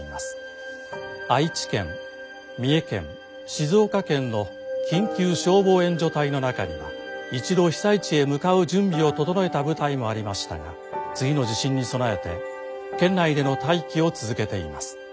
愛知県三重県静岡県の緊急消防援助隊の中には一度被災地へ向かう準備を整えた部隊もありましたが次の地震に備えて県内での待機を続けています。